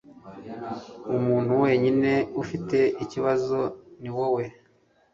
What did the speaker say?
Umuntu wenyine ufite ikibazo niwowe